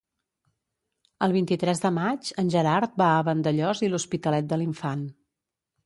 El vint-i-tres de maig en Gerard va a Vandellòs i l'Hospitalet de l'Infant.